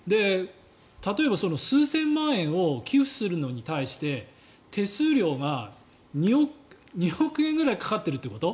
例えば数千万円を寄付するのに対して手数料が２億円ぐらいかかっていること